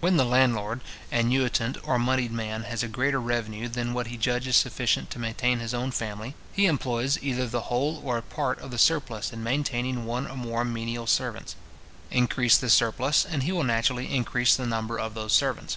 When the landlord, annuitant, or monied man, has a greater revenue than what he judges sufficient to maintain his own family, he employs either the whole or a part of the surplus in maintaining one or more menial servants. Increase this surplus, and he will naturally increase the number of those servants.